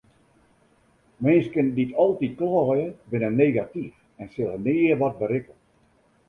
Minsken dy't altyd kleie binne negatyf en sille nea wat berikke.